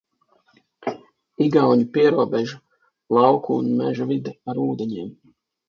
Igauņu pierobeža, lauku un meža vide ar ūdeņiem.